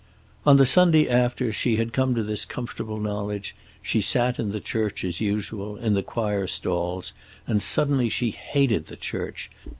On the Sunday after she had come to this comfortable knowledge she sat in the church as usual, in the choir stalls, and suddenly she hated the church.